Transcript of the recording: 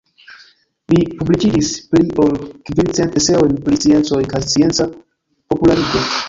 Li publikigis pli ol kvicent eseojn pri sciencoj kaj scienca popularigo.